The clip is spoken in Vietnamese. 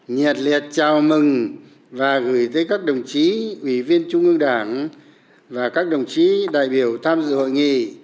nhiệt liệt chào mừng và gửi tới các đồng chí ủy viên trung ương đảng và các đồng chí đại biểu tham dự hội nghị